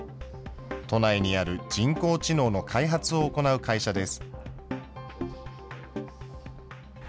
都内にある人工知能の開発を行う会社です。